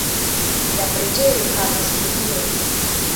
La preĝejo havas du turojn.